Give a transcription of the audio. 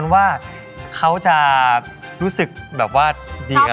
พี่อายกับพี่อ๋อมไม่ได้ครับ